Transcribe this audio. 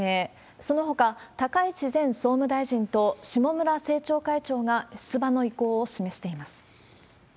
そのほか、高市前総務大臣と下村政調会長が出馬の意向を示しています。